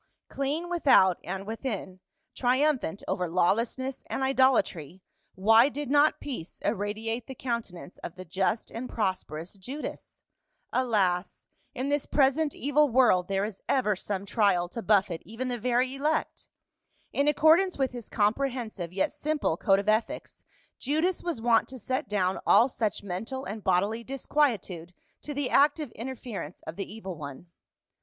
Clean without and within, triumphant over lawlessness and idolatry, why did not peace irradiate the countenance of the just and pros perous Judas ? Alas ! in this present evil world there is ever some trial to buffet even the very elect. In accordance with his comprehensive yet simple code of ethics Judas was wont to set down all such mental and bodily disquietude to the active interference of the evil one.